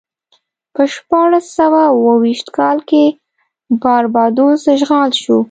په شپاړس سوه اوه ویشت کال کې باربادوس اشغال شو.